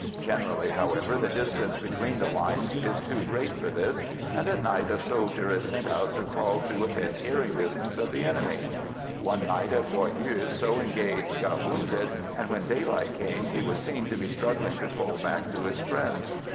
Generally, however, the distance between the lines is too great for this, and at night a sol dier is sent out to crawl to within hear ing distance of the enemy. One night a poilu so engaged got wounded and when daylight came he was seen to be struggling to crawl back to his friends.